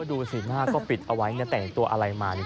ดูสิหน้าก็ปิดเอาไว้เนี่ยแต่เห็นตัวอะไรมาเนี่ย